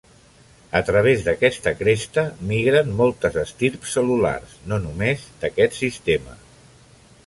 A través d'aquesta cresta migren moltes estirps cel·lulars, no només d'aquest sistema.